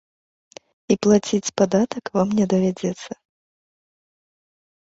І плаціць падатак вам не давядзецца.